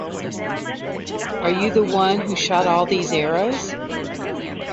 Are you the one who shot all these arrows?